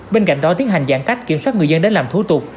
bên cạnh đó tiến hành giãn cách kiểm soát người dân đến làm thủ tục